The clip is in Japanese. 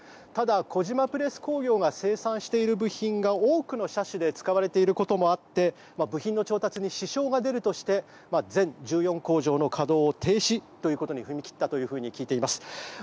ただ小島プレス工業が生産している部品が多くの車種で使われていることもあって部品の調達に支障が出るとして全１４工業の停止に踏み切ったと聞いています。